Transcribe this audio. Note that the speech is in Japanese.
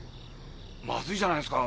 まずいじゃないですか。